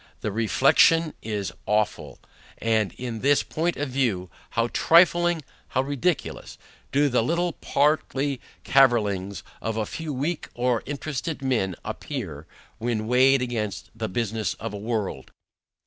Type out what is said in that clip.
The Reflexion is awful and in this point of view, How trifling, how ridiculous, do the little, paltry cavellings, of a few weak or interested men appear, when weighed against the business of a world.